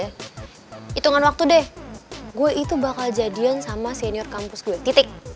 hitungan waktu deh gue itu bakal jadian sama senior kampus dua titik